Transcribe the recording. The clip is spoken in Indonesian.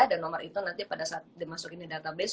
dan nomor itu nanti pada saat dimasukin di database